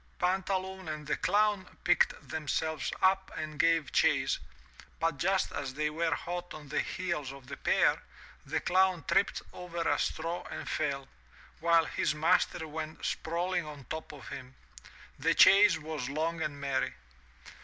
Pantaloon and the Clown picked themselves up and gave chase, but just as they were hot on the heels of the pair, the Clown tripped over a straw and fell, while his master went sprawling on top of him. The chase was long and merry.